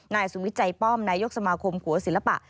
นายสุวิทย์ใจป้อมนายกสมาคมขัวศิลปะ